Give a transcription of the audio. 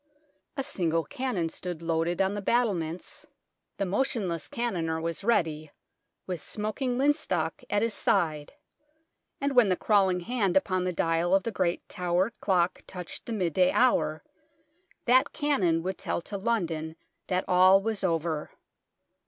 A single cannon stood loaded on the battle THE KING'S HOUSE 125 ments, the motionless cannoneer was ready, with smoking linstock at his side ; and, when the crawling hand upon the dial of the great Tower clock touched the midday hour, that cannon would tell to London that all was over.